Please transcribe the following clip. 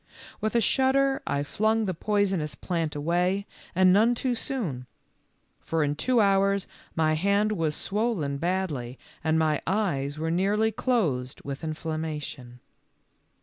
With a shudder I flung the poisonous plant away, and none too soon, for in two hours my hand was swollen bad]y and my eyes were nearly closed with inflam mation.